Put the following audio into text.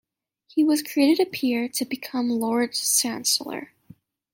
He was created a peer to become Lord Chancellor.